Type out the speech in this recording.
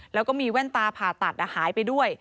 แล้วก็มีแว่นตาผ่าตัดหายไปด้วย